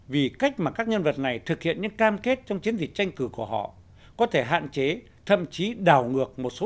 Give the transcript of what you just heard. vì cách mà các nhân vật này thực hiện những cam kết trong chiến dịch tranh cử của họ có thể hạn chế thậm chí đảo ngược một số